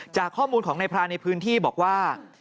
จากข้อมูลของนายพรานในพื้นที่บอกว่า